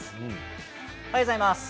おはようございます。